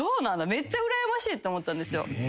めっちゃうらやましいって思ったんですよ。